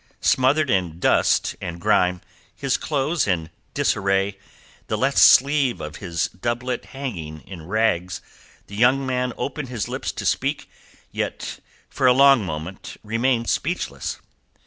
Smothered in dust and grime, his clothes in disarray, the left sleeve of his doublet hanging in rags, this young man opened his lips to speak, yet for a long moment remained speechless.